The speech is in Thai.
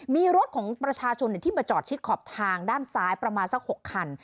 มีรถของประชาชนที่มาจอดชิดขอบทางด้านซ้ายประมาณสัก๖คัน